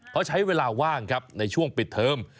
เขาใช้เวลาว่างครับในช่วงปิดเทอม